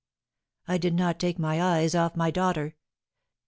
I did not take my eyes off my daughter.